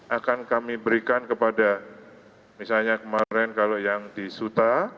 akan kami berikan kepada misalnya kemarin kalau yang disuta